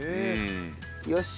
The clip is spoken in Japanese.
よし！